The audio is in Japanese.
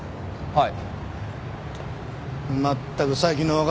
はい。